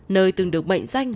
nơi từng được mệnh danh